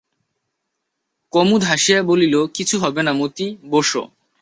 কুমুদ হাসিয়া বলিল, কিছু হবে না মতি, বোসো।